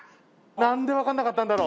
なんで分からなかったんだろう。